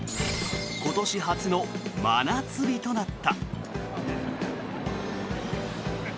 今年初の真夏日となった。